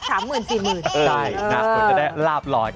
ใช่น่าจะได้ลาบหลอย